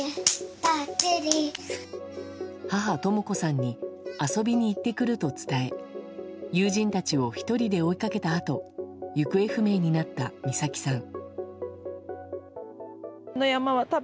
母とも子さんに遊びに行ってくると伝え友人たちを１人で追いかけたあと行方不明になった美咲さん。